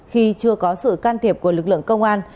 khi chưa có sự can thiệp của lực lượng công an